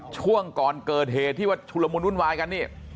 ช่วงก่อนเกิดเหตุที่ว่าชุลมุนวุ่นวายกันนี่